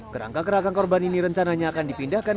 kerangka kerangka korban ini rencananya akan dipindahkan